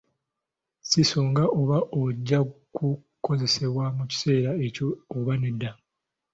Ssi nsonga oba gaakukozesebwa mu kiseera ekyo oba nedda.